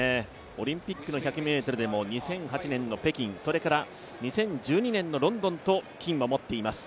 オリンピックの１００ｍでも２００８年の北京２０１２年のロンドンと、金を持っています。